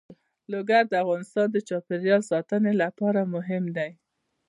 لوگر د افغانستان د چاپیریال ساتنې لپاره مهم دي.